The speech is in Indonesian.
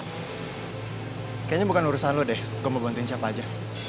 kayaknya bukan urusan lo deh gue mau bantuin siapa aja